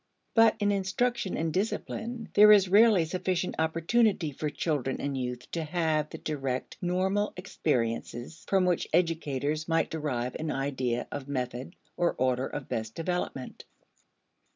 But in instruction and discipline, there is rarely sufficient opportunity for children and youth to have the direct normal experiences from which educators might derive an idea of method or order of best development.